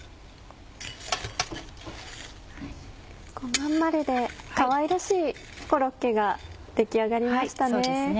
まん丸でかわいらしいコロッケが出来上がりましたね。